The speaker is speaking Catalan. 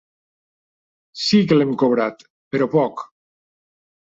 Sí que l'hem cobrat, però poc.